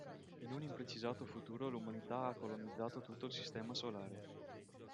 In un imprecisato futuro l'umanità ha colonizzato tutto il sistema solare.